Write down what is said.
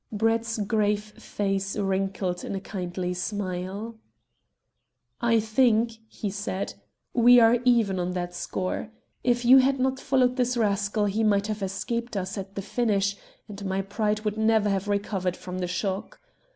Brett's grave face wrinkled in a kindly smile. "I think," he said, "we are even on that score. If you had not followed this rascal he might have escaped us at the finish, and my pride would never have recovered from the shock.